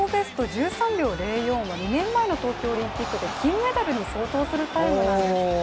１３秒０４は２年前の東京オリンピックで金メダルに相当するタイムなんですって。